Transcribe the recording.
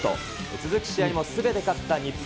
続く試合もすべて勝った日本。